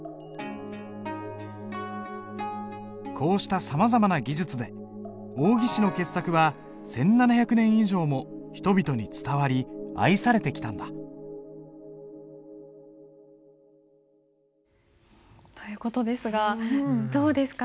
こうしたさまざまな技術で王羲之の傑作は１，７００年以上も人々に伝わり愛されてきたんだ。という事ですがどうですか？